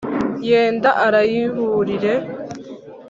Yenda arayiburire